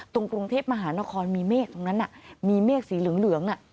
กรุงเทพมหานครมีเมฆตรงนั้นมีเมฆสีเหลือง